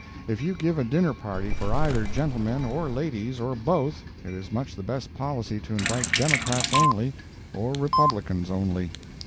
If you give a dinner party for either gentlemen or ladies, or both, it is much the best policy to invite Democrats only or Republicans only.